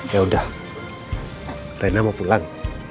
ya udah rena mau pulang